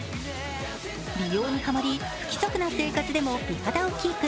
美容にハマり、不規則な生活でも美肌をキープ。